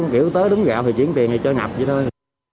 kiểu tới đúng gạo thì chuyển tiền hay cho ngập vậy thôi